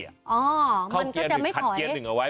อ๋อมันก็จะไม่ถอยเข้าเกียร์หนึ่งขัดเกียร์หนึ่งเอาไว้